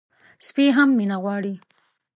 سپي هم مینه غواړي.